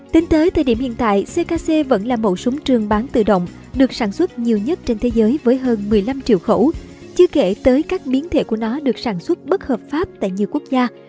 tính tới thời điểm hiện tại ckc vẫn là mẫu súng trường bán tự động được sản xuất nhiều nhất trên thế giới với hơn một mươi năm triệu khẩu chứ kể tới các biến thể của nó được sản xuất bất hợp pháp tại nhiều quốc gia